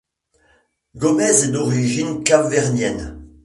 Gomes est d'origine cap-verdienne.